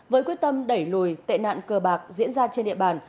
với quyết tâm đẩy lùi tệ nạn cờ bạc diễn ra trên địa bàn